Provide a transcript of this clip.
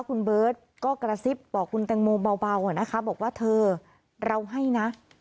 คุณเบิร์ตก็กระซิบบอกคุณแตงโมเบานะคะบอกว่าเธอเราให้นะ